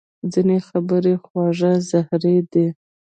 ځینې خبرې خواږه زهر دي